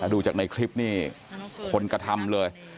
ดูจากในคลิปนี้คนกระทำเลย